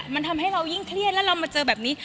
มันทำให้เรายิ่งเครียดแล้วเรามาเจอแบบนี้